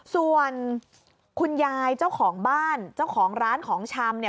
ส่วนคุณยายเจ้าของบ้านเจ้าของร้านของชำเนี่ย